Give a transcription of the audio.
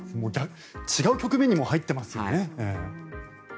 違う局面にもう入っていますよね。